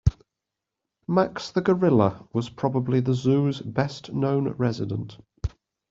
Max the gorilla was probably the zoo's best known resident.